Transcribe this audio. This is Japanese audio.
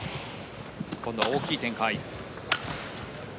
今度は大きい展開。